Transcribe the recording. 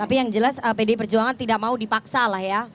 tapi yang jelas pdi perjuangan tidak mau dipaksa lah ya